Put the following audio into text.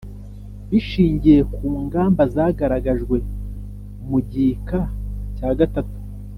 bishingiye ku ngamba zagaragajwe mu gika cya gatatu ;